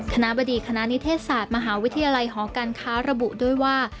คณะบดีคณะนิเทศศาสตร์มหาวิทยาลัยหอการค้าระบุด้วยว่า